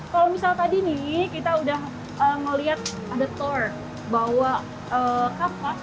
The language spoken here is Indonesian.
kalau misal tadi nih kita udah ngeliat ada thor bawa kapas